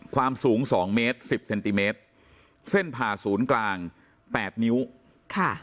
ความสูงสองเมตรสิบเซนติเมตรเส้นผ่าศูนย์กลางแปดนิ้วค่ะ